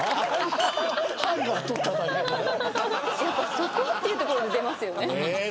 そこ⁉っていうところで出ますよね。